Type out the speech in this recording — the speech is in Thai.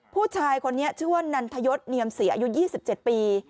ผู้ชายคนนี้ชื่อว่านันทยศเนียมศรีอายุ๒๗ปี